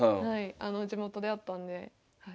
地元であったんで。